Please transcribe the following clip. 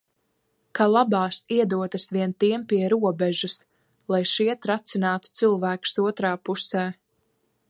Ka labās iedotas vien tiem pie robežas, lai šie tracinātu cilvēkus otrā pusē.